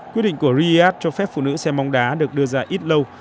quyết định của riyadh cho phép phụ nữ xem bóng đá được đưa ra ít lâu